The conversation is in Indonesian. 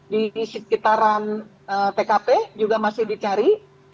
di sekitaran tkp juga masih dicari